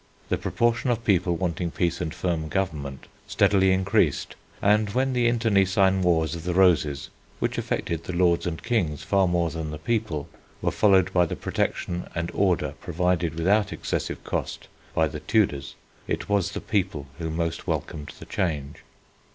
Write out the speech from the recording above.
The proportion of people wanting peace and firm government steadily increased, and, when the internecine Wars of the Roses, which affected the lords and kings far more than the people, were followed by the protection and order provided without excessive cost by the Tudors, it was the people who most welcomed the change.